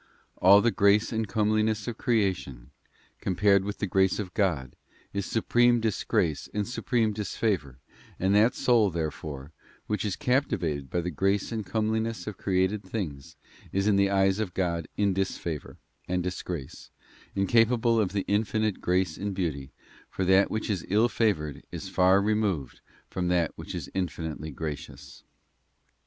All the grace and comeliness of creation, compared with the Grace of God, is supreme disgrace and supreme disfavour, and that soul, therefore, which is cap tivated by the grace and comeliness of created things is in the eyes of God in disfavour and disgrace, incapable of the infinite grace and beauty, for that which is ill favoured is far removed from that which is infinitely gracious.